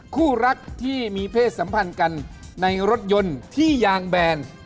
คู่รักที่มีเพศสัมพันธ์กันในรถยนต์ที่ยางแบน